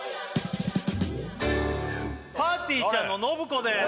ぱーてぃーちゃんの信子です